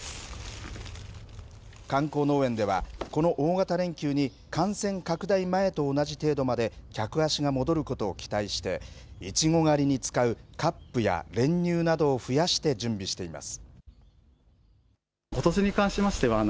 観光農園では、この大型連休に感染拡大前と同じ程度まで客足が戻ることを期待していちご狩りに使うカップや練乳などを増やして準備しています。